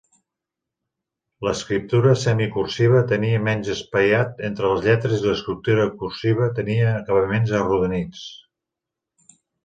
L'escriptura semicursiva tenia menys espaiat entre les lletres i l'escriptura cursiva tenia acabaments arrodonits.